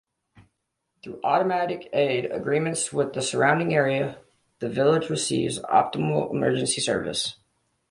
Through automatic aid agreements with the surrounding area, the Village receives optimal emergency service.